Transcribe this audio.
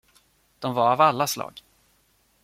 De var av alla slag.